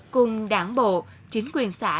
cùng đảng bộ chính quyền xã